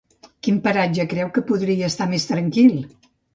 Quin paratge creu que podria estar més tranquil?